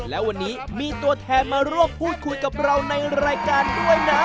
และวันนี้มีตัวแทนมาร่วมพูดคุยกับเราในรายการด้วยนะ